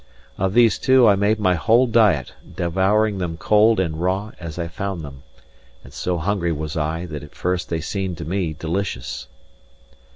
Of these two I made my whole diet, devouring them cold and raw as I found them; and so hungry was I, that at first they seemed to me delicious.